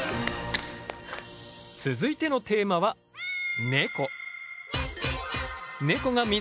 続いてのテーマはネコ。